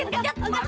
dari dibagi sama oji